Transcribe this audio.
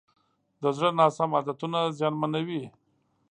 د زړه ناسم عادتونه زیانمنوي.